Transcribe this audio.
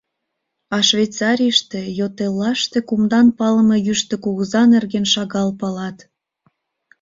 А Швейцарийыште йот эллаште кумдан палыме Йӱштӧ Кугыза нерген шагал палат...